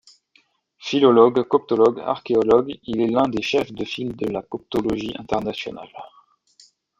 Philologue, coptologue, archéologue, il est l'un des chefs de file de la coptologie internationale.